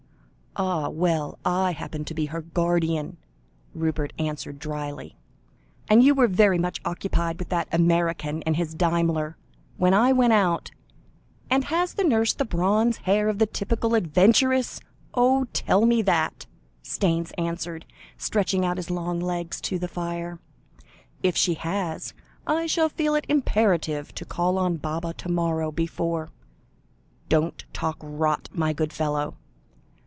"Ah, well, I happen to be her guardian," Rupert answered drily; "and you were very much occupied with that American and his Daimler, when I went out " "And has the nurse the bronze hair of the typical adventuress, only tell me that," Staynes answered, stretching out his long legs to the fire. "If she has, I shall feel it imperative to call on Baba to morrow, before " "Don't talk rot, my good fellow."